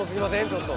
ちょっと。